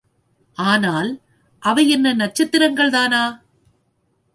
ஆனால், அவை என்ன நட்சத்திரங்கள் தானா?